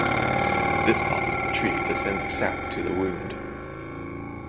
This causes the tree to send the sap to the wound.